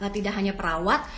tidak hanya perawat